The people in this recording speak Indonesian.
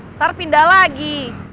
ntar pindah lagi